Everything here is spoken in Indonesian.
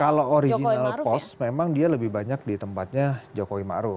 kalau original post memang dia lebih banyak di tempatnya jokowi ma'ruf